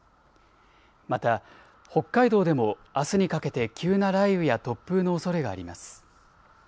また北海道でもあすにかけて急な雷雨や突風のおそれがあります。